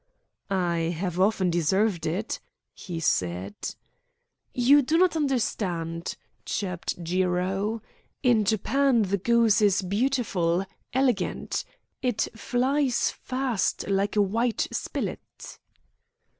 "I have often deserved it," he said. "You do not understand," chirped Jiro. "In Japan the goose is beautiful, elegant. It flies fast like a white spilit."